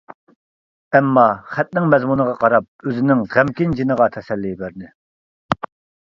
ئەمما خەتنىڭ مەزمۇنىغا قاراپ ئۆزىنىڭ غەمكىن جېنىغا تەسەللى بەردى.